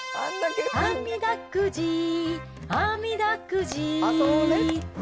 あみだくじ、あみだくじ。